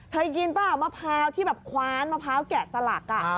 เคยกินเปล่ามะพร้าวที่แบบคว้านมะพร้าวแกะสลัก